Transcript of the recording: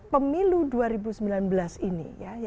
pemilu dua ribu sembilan belas ini